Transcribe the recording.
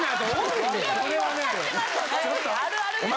あるあるですから。